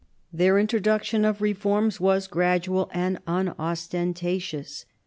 Their introduction of reforms was gradual and un ostentatious.